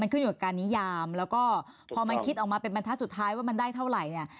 ขึ้นอยู่กับการนิยามแล้วก็พอมันคิดออกมาเป็นบรรทัศน์สุดท้ายว่ามันได้เท่าไหร่เนี่ย